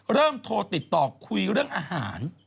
เริ่มโทรติดต่อคุยเรื่องอาหาร